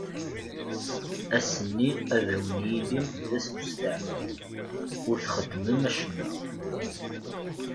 Ass-nni ad wen-yili d ass n usteɛfu, ur txeddmem acemma.